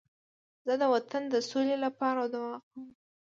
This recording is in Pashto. زه د وطن د سولې لپاره دعا کوم.